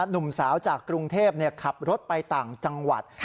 หนุ่มสาวจากกรุงเทพขับรถไปต่างจังหวัด